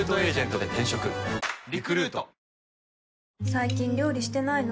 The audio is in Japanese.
最近料理してないの？